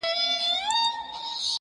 ته تر کومه انتظار کوې بې بخته،